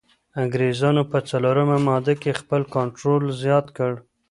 انګریزانو په څلورمه ماده کي خپل کنټرول زیات کړ.